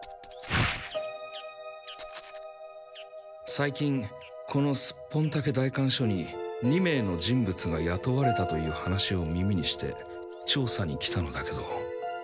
さい近このスッポンタケ代官所に２名の人物がやとわれたという話を耳にして調査に来たのだけど。